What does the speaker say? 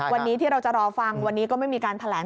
วันนี้ที่เราจะรอฟังวันนี้ก็ไม่มีการแถลง